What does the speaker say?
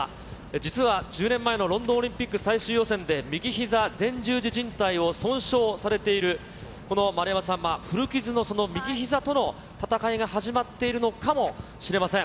実は１０年前のロンドンオリンピック最終予選で右ひざ前十字じん帯を損傷されている、この丸山さんは、古傷のその右ひざとの闘いが始まっているのかもしれません。